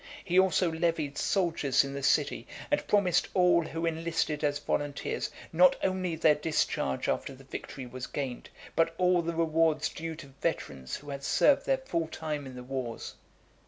He also levied soldiers in the city, and promised all who enlisted as volunteers, not only their discharge after the victory was gained, but all the rewards due to veterans who had served their full time in the wars.